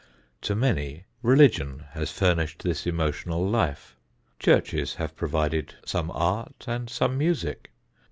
To many religion has furnished this emotional life. Churches have provided some art and some music.